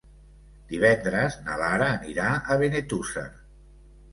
Divendres na Lara anirà a Benetússer.